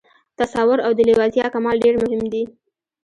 تصور او د لېوالتیا کمال ډېر مهم دي